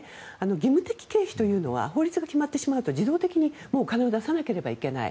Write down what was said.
義務的経費というのは法律が決まってしまうと自動的にお金を出さないといけない。